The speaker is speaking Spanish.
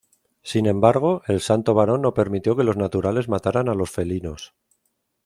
Sin embargo, el Santo Varón no permitió que los naturales mataran a los felinos.